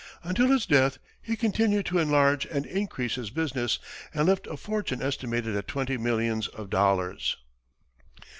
Until his death, he continued to enlarge and increase his business, and left a fortune estimated at twenty millions of dollars.